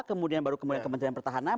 kemudian baru kemudian ke menteri pertahanan